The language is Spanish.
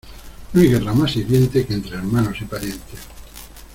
No hay guerra más hiriente que entre hermanos y parientes.